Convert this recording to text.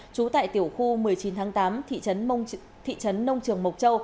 trú tại tiểu khu một mươi chín tháng tám thị trấn nông trường mộc châu